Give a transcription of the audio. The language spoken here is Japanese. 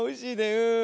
うん。